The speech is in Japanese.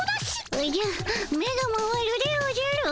おじゃ目が回るでおじゃる。